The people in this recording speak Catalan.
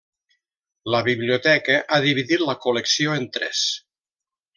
La biblioteca ha dividit la col·lecció en tres.